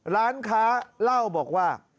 ร้านค้าเล่าบอกว่า